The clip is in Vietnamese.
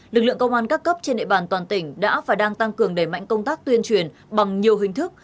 lực lượng công an các cấp trên nệ bàn toàn tỉnh đã và đang tăng cường đẩy mạnh công tác tuyên truyền bằng nhiều hình thức